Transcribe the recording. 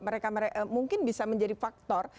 mungkin bisa menjadi faktor